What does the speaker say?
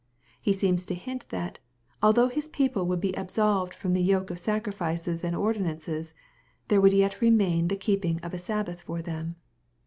/ Ho seems to hint that, although His people would be ab solved from the yoke of sacrifices and ordinances, there would yet remain the keeping of a sabbath for them.